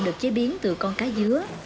được chế biến từ con cá dứa